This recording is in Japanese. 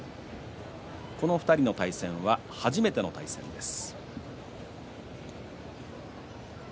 この２人の対戦は初めての対戦です。